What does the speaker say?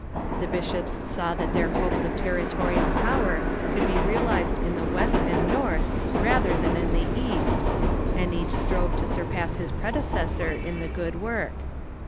The bishops saw that their hopes of territorial power could be realized in the West and North rather than in the East, and each strove to surpass his predecessor in the good work.